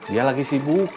dia lagi sibuk